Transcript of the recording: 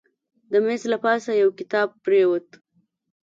د میز له پاسه یو کتاب پرېوت.